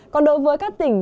còn đối với các tỉnh